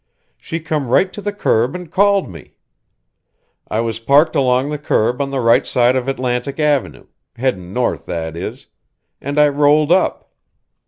She come right to the curb and called me. I was parked along the curb on the right side of Atlantic Avenue headin' north, that is and I rolled up.